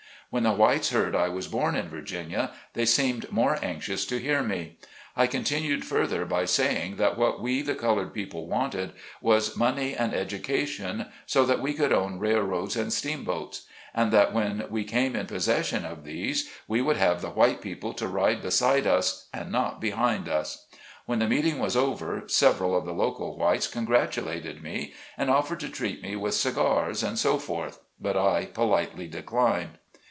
When the whites heard I was born in Vir ginia they seemed more anxious to hear me. I con tinued further by saying, that what we the colored people wanted, was money and education, so that we could own railroads and steamboats. And that when we came in possession of these we would have the white people to ride beside us and not behind us. When the meeting was over several of the local whites congratulated me, and offered to treat me with cigars, and so forth, but I politely declined.